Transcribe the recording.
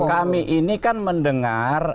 kami ini kan mendengar